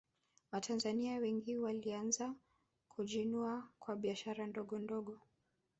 watanzania wengi walianza kujiinua kwa biashara ndogondogo